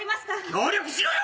協力しろよ！